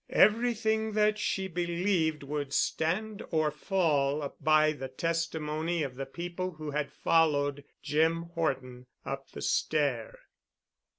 Everything that she believed, would stand or fall by the testimony of the people who had followed Jim Horton up the stair.